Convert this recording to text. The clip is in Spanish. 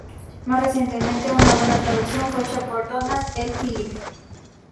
Más recientemente, una buena traducción, fue hecha por Donald L. Philippi.